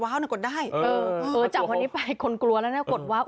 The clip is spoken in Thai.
ว้าวน่ะกดได้เออเออจากวันนี้ไปคนกลัวแล้วน่ะกดว้าว